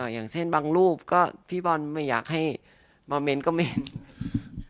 อย่างเช่นบางรูปก็พี่บอลไม่อยากให้มาเมนต์ก็เม้น